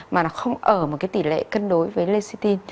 mà nó không ở một cái tỷ lệ cân đối với lecithin